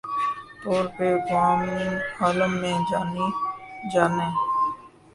طور پہ اقوام عالم میں جانی جائیں